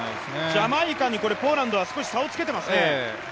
ジャマイカにポーランドは少し差をつけていますね。